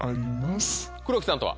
黒木さんとは？